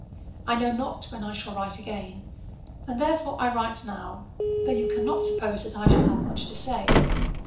I know not when I shall write again, and therefore I write now, though you cannot suppose that I have much to say.